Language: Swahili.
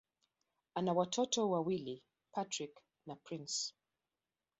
Ana watoto wawili: Patrick na Prince.